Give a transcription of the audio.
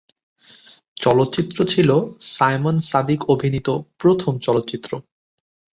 চলচ্চিত্র ছিল সায়মন সাদিক অভিনীত প্রথম চলচ্চিত্র।